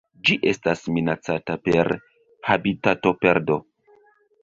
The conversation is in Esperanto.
Ĝi estas minacata per habitatoperdo.